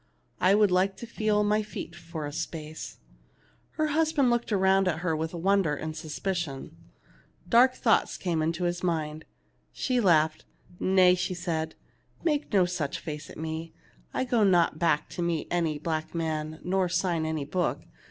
I would like to feel my feet for a space." Her husband looked around at her with won der and suspicion. Dark thoughts came into his mind. She laughed. "Nay," said she, "make no such face at me. I go not back to meet any black man nor sign any book.